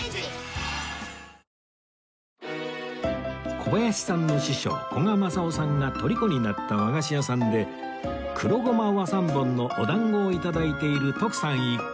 小林さんの師匠古賀政男さんが虜になった和菓子屋さんで黒胡麻和三盆のお団子を頂いている徳さん一行